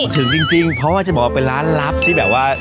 ถึงจริงเพราะว่าจะบอกว่าเป็นร้านลับที่แบบว่า